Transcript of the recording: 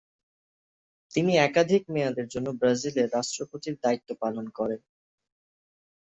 তিনি একাধিক মেয়াদের জন্য ব্রাজিলের রাষ্ট্রপতির দায়িত্ব পালন করেন।